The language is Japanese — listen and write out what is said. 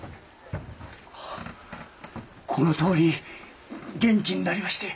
このとおり元気になりまして。